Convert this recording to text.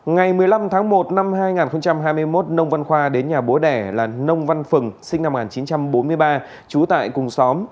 ngày một mươi năm tháng một năm hai nghìn hai mươi một nông văn khoa đến nhà bố đẻ là nông văn phừng sinh năm một nghìn chín trăm bốn mươi ba trú tại cùng xóm